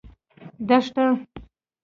دښته د سپین مهتاب ښکلا لري.